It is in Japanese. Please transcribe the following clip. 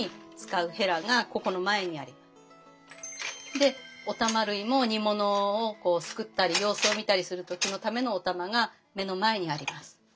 でおたま類も煮物をこうすくったり様子を見たりする時のためのおたまが目の前にあります。